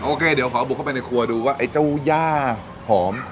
โอเคเดี๋ยวขอบุกเข้าไปในครัวดูว่าไอ้เจ้าย่าหอม